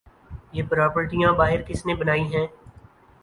یہ پراپرٹیاں باہر کس نے بنائی ہیں؟